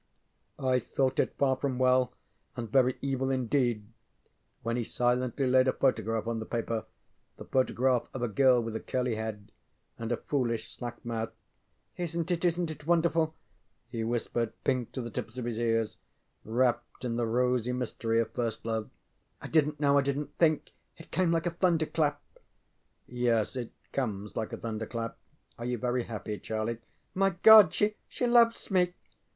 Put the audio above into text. I thought it far from well, and very evil indeed, when he silently laid a photograph on the paper the photograph of a girl with a curly head, and a foolish slack mouth. ŌĆ£IsnŌĆÖt it isnŌĆÖt it wonderful? ŌĆØ he whispered, pink to the tips of his ears, wrapped in the rosy mystery of first love. ŌĆ£I didnŌĆÖt know; I didnŌĆÖt think it came like a thunderclap. ŌĆØ ŌĆ£Yes. It comes like a thunderclap. Are you very happy, Charlie? ŌĆØ ŌĆ£My God she she loves me!